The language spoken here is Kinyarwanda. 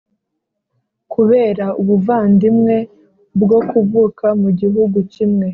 kubera ubuvandimwe bwo kuvuka mu gihugu kimwe,